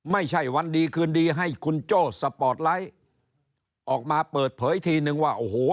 ไม่ใช่วันดีคืนดีให้คุณโจ้สปอร์ตไลท์ออกมาเปิดเผยทีนึงว่าโอ้โห